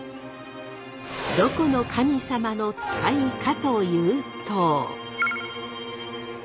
どこの神様の使いかというと。